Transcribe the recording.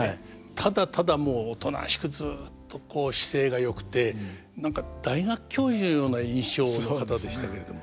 ただただもうおとなしくずっとこう姿勢がよくて何か大学教授のような印象の方でしたけれども。